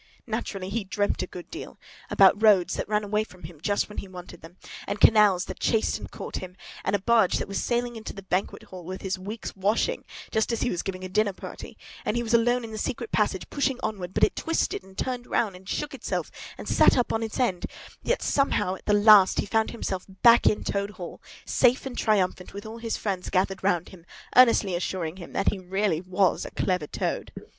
Naturally, he dreamt a good deal; about roads that ran away from him just when he wanted them, and canals that chased him and caught him, and a barge that sailed into the banqueting hall with his week's washing, just as he was giving a dinner party; and he was alone in the secret passage, pushing onwards, but it twisted and turned round and shook itself, and sat up on its end; yet somehow, at the last, he found himself back in Toad Hall, safe and triumphant, with all his friends gathered round about him, earnestly assuring him that he really was a clever Toad.